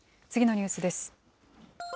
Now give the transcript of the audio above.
次のニュースです。